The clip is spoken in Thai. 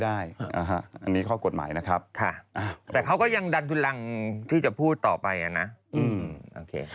อันนี้ข้อกฎหมายนะครับค่ะแต่เขาก็ยังดันทุนรังที่จะพูดต่อไปอ่ะนะโอเค